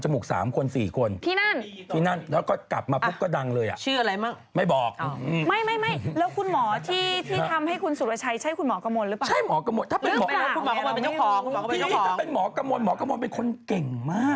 นอสาวเซปิงของพี่อยู่ไหมตอนนี้น่า